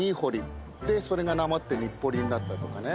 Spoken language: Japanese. でそれがなまってにっぽりになったとかね。